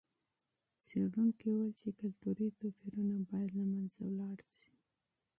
څېړونکي وویل چې کلتوري توپیرونه باید له منځه ولاړ سي.